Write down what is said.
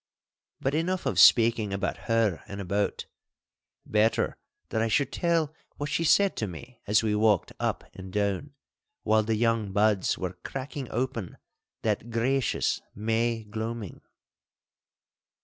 But enough of speaking about her and about. Better that I should tell what she said to me as we walked up and down, while the young buds were cracking open that gracious May gloaming.